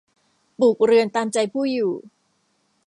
ปลูกเรือนตามใจผู้อยู่